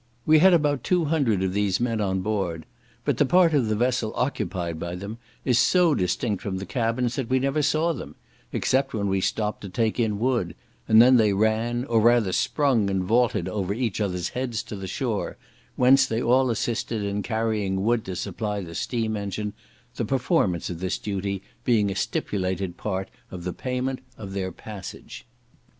We had about two hundred of these men on board, but the part of the vessel occupied by them is so distinct from the cabins, that we never saw them, except when we stopped to take in wood; and then they ran, or rather sprung and vaulted over each other's heads to the shore, whence they all assisted in carrying wood to supply the steam engine; the performance of this duty being a stipulated part of the payment of their passage.